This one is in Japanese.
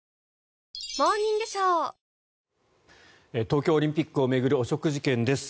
東京オリンピックを巡る汚職事件です。